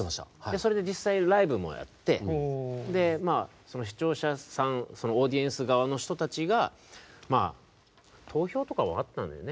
それで実際ライブもやって視聴者さんオーディエンス側の人たちが投票とかもあったんだよね？